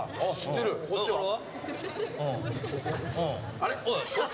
あれ？